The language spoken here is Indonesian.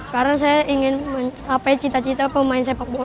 karena saya ingin mencapai cita cita pemain sepak bola